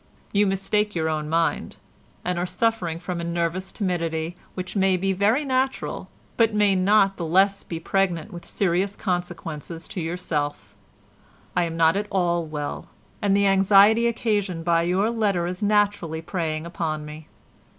You mistake your own mind, and are suffering from a nervous timidity which may be very natural but may not the less be pregnant with serious consequences to yourself. I am not at all well, and the anxiety occasioned by your letter is naturally preying upon me.